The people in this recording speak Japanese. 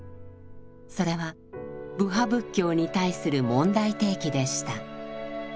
それは部派仏教に対する問題提起でした。